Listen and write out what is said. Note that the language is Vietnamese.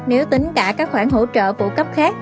nếu tính cả các khoản hỗ trợ phụ cấp khác